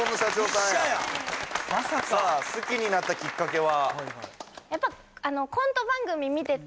まさか好きになったきっかけは？